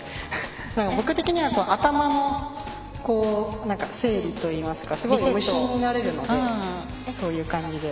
僕的には頭の整理といいますかすごい無心になれるのでそういう感じで。